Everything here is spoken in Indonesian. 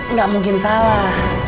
nggak mungkin salah